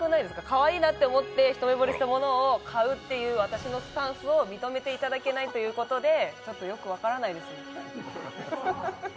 かわいいなと思って一目ぼれしたものを買うという私のスタンスを認めていただけないということでちょっとよく分からないですね。